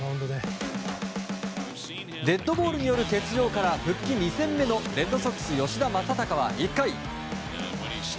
デッドボールによる欠場から復帰２戦目のレッドソックス、吉田正尚は１回。